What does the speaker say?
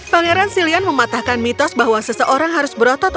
pangeran silian mematahkan mitos bahwa seseorang harus mencari keamanan